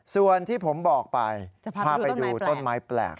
ส่วนที่ผมบอกไปพาไปดูต้นไม้แปลก